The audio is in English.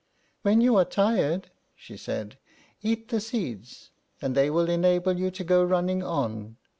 "When you are tired," she said, "eat the seeds, and they will enable you to go running on.